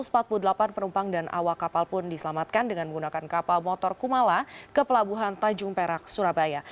empat ratus empat puluh delapan penumpang dan awak kapal pun diselamatkan dengan menggunakan kapal motor kumala ke pelabuhan tanjung perak surabaya